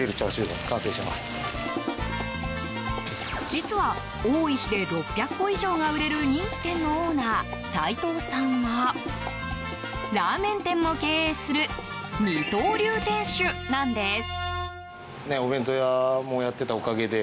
実は、多い日で６００個以上が売れる人気店のオーナー、齋藤さんはラーメン店も経営する二刀流店主なんです。